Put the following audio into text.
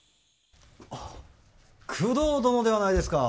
あっ工藤殿ではないですか。